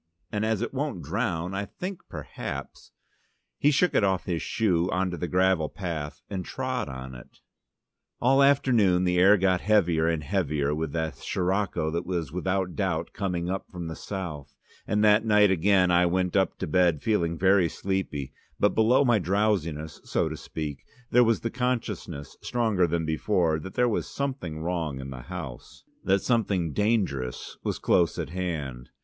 And as it won't drown I think perhaps " He shook it off his shoe on to the gravel path and trod on it. All afternoon the air got heavier and heavier with the Sirocco that was without doubt coming up from the south, and that night again I went up to bed feeling very sleepy; but below my drowsiness, so to speak, there was the consciousness, stronger than before, that there was something wrong in the house, that something dangerous was close at hand.